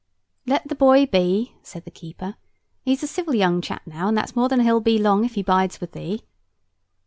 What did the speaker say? "Let the boy be," said the keeper. "He's a civil young chap now, and that's more than he'll be long if he bides with thee."